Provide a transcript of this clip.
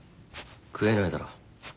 食えないだろ。